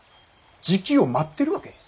時機を待ってるわけ。